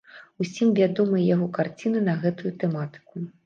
Усім вядомыя яго карціны на гэтую тэматыку.